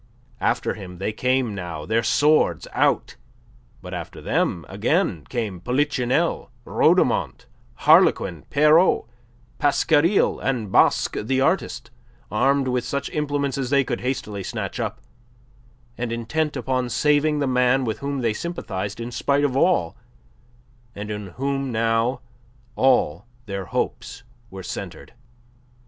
After him they came now, their swords out; but after them again came Polichinelle, Rhodomont, Harlequin, Pierrot, Pasquariel, and Basque the artist, armed with such implements as they could hastily snatch up, and intent upon saving the man with whom they sympathized in spite of all, and in whom now all their hopes were centred.